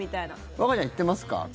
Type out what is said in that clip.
和歌ちゃん行ってますか？